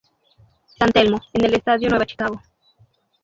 San Telmo, en el Estadio Nueva Chicago.